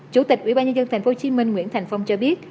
chủ tịch ủy ban nhân dân tp hcm nguyễn thành phong cho biết